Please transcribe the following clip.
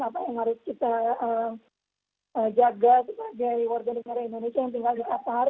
apa yang harus kita jaga sebagai warga negara indonesia yang tinggal di qatar